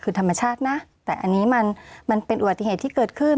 คือธรรมชาตินะแต่อันนี้มันเป็นอุบัติเหตุที่เกิดขึ้น